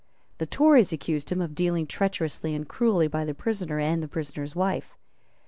The Tories accused him of dealing treacherously and cruelly by the prisoner and the prisoner's wife.